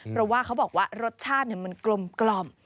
เพราะว่าเขาบอกว่ารสชาติมันกลม